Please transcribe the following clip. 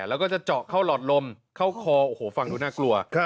แล้วก็จะเจาะเข้าหลอดลมเข้าคอโอ้โหฟังดูน่ากลัว